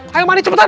hayo mandi cepetan